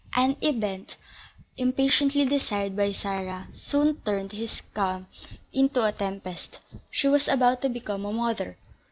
An event, impatiently desired by Sarah, soon turned this calm into a tempest, she was about to become a mother.